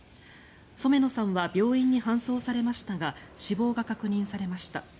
染野さんは病院に搬送されましたが死亡が確認されました。